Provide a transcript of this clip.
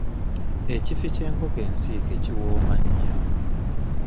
Ekifi ky'enkoko ensiike kiwooma nnyo.